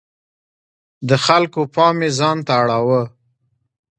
د خلکو پام یې ځانته اړاوه.